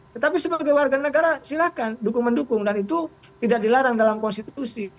tetapi sebagai warga negara silakan dukung mendukung dan itu tidak dilarang dalam konstitusi